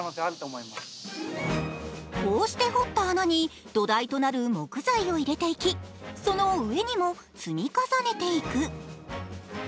こうして堀った穴に土台となる木材を入れていきその上にも積み重ねていく。